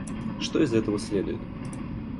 Что из этого следует?